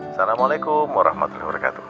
assalamualaikum warahmatullahi wabarakatuh